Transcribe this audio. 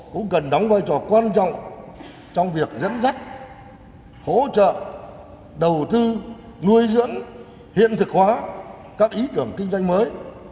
cũng cần đóng vai trò quan trọng trong việc dẫn dắt hỗ trợ đầu tư nuôi dưỡng hiện thực hóa các ý tưởng kinh doanh mới